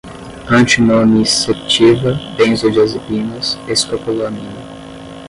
antinociceptiva, benzodiazepinas, escopolamina